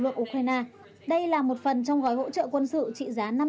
lượng ukraine đây là một phần trong gói hỗ trợ quân sự trị giá